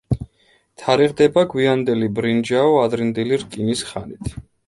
თარიღდება გვიანდელი ბრინჯაო-ადრინდელი რკინის ხანით.